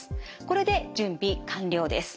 これで準備完了です。